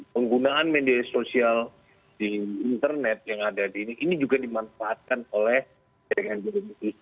penggunaan media sosial di internet yang ada di ini juga dimanfaatkan oleh jaringan geologi